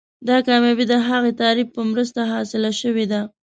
دا کامیابي د هغه تعریف په مرسته حاصله شوې ده.